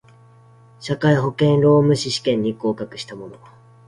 社会保険労務士試験に合格した者